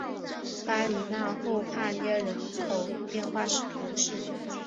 巴里讷后帕涅人口变化图示